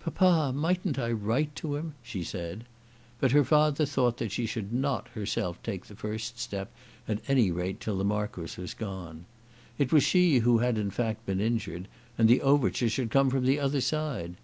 "Papa, mightn't I write to him," she said. But her father thought that she should not herself take the first step at any rate till the Marquis was gone. It was she who had in fact been injured, and the overture should come from the other side.